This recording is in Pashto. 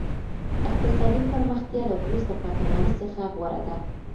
اقتصادي پرمختیا له وروسته پاته والي څخه غوره ده.